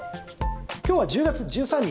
今日は１０月１３日。